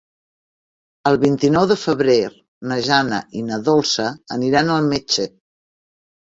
El vint-i-nou de febrer na Jana i na Dolça aniran al metge.